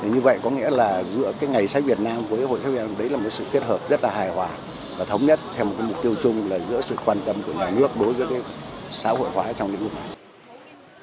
như vậy có nghĩa là dựa cái ngày sách việt nam với hội sách việt nam đấy là một sự kết hợp rất là hài hòa và thống nhất theo một mục tiêu chung là dựa sự quan tâm của nhà nước đối với cái xã hội hóa trong lĩnh vực này